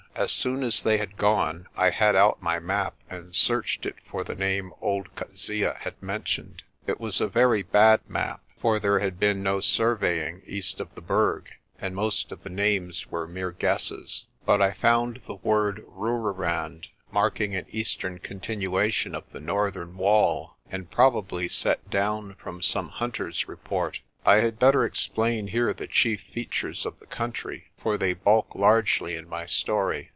As soon as they had gone I had out my map and searched it for the name old Coetzee had mentioned. It was a very bad map, for there had been no surveying east of the Berg, and most of the names were mere guesses. But 58 PRESTER JOHN I found the word "Rooirand" marking an eastern continua tion of the northern will, and probably set down from some hunter's report. I had better explain here the chief features of the country, for they bulk largely in my story.